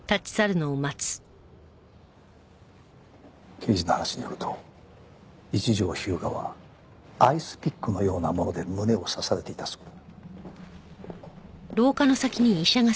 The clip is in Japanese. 刑事の話によると一条彪牙はアイスピックのようなもので胸を刺されていたそうだ。